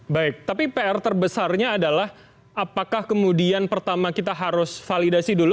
baik tapi pr terbesarnya adalah apakah kemudian pertama kita harus validasi dulu